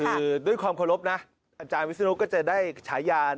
คือด้วยความเคารพนะอาจารย์วิศนุก็จะได้ฉายาน